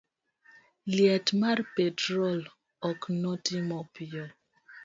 liet mar petrol ok notimo piyo